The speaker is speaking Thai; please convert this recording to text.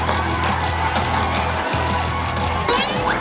เต้นไปทัก